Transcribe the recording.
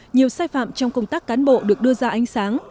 nhiều sai phạm trong công tác cán bộ được đưa ra ánh sáng